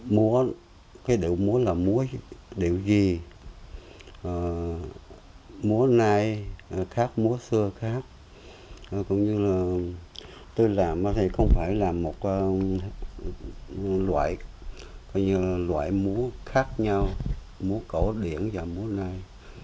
múa cái điệu múa là múa điệu gì múa nay khác múa xưa khác cũng như là tôi làm thì không phải là một loại múa khác nhau múa cổ điển và múa nay